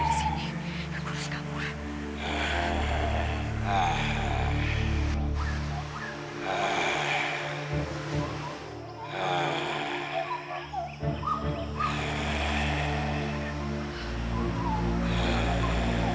aku harus kabur